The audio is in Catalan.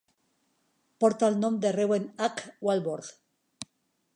Porta el nom de Reuben H. Walworth.